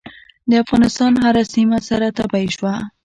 د افغانستان هره سیمه سره تبۍ شوه.